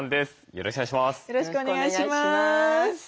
よろしくお願いします。